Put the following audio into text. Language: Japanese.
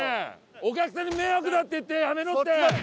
お客さんに迷惑だって言ってやめろって！